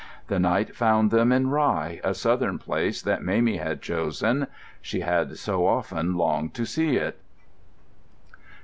The night found them in Rye, a southern place that Mamie had chosen—she had so often longed to see it.